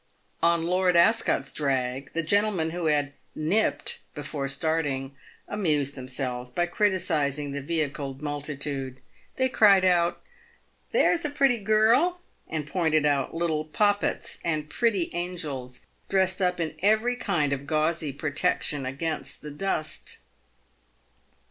On Lord Ascot's drag, the gentlemen who had "nipped" before starting, amused themselves by criticising the vehicled multitude. They cried out, "There's a pretty girl!" and pointed out little "poppets" and pretty angels, dressed up in every kind of gauzy protection against the dust.